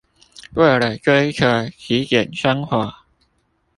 為了追求極簡生活